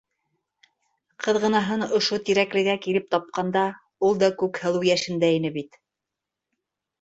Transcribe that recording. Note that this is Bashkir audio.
Ҡыҙғынаһын ошо Тирәклегә килеп тапҡанда ул да Күкһылыу йәшендә ине бит.